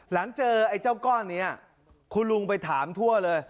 หลังเจอไอ้เจ้าก้อนนี้คุณลุงไปถามทั่วเลย